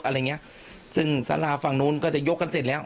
อะไรอย่างเงี้ยซึ่งสาราฝั่งนู้นก็จะยกกันเสร็จแล้ว